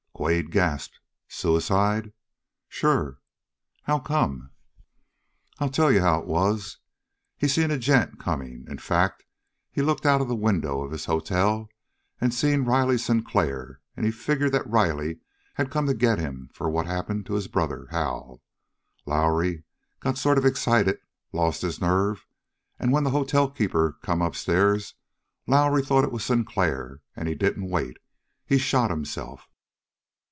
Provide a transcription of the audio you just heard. Quade gasped. "Suicide?" "Sure." "How come?" "I'll tell you how it was. He seen a gent coming. In fact he looked out of the window of his hotel and seen Riley Sinclair, and he figured that Riley had come to get him for what happened to his brother, Hal. Lowrie got sort of excited, lost his nerve, and when the hotel keeper come upstairs, Lowrie thought it was Sinclair, and he didn't wait. He shot himself."